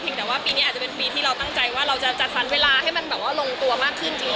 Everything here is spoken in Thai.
แต่ว่าปีนี้อาจจะเป็นปีที่เราตั้งใจว่าเราจะจัดสรรเวลาให้มันแบบว่าลงตัวมากขึ้นจริง